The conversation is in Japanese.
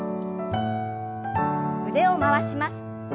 腕を回します。